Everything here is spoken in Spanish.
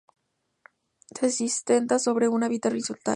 Se asienta sobre una viga horizontal.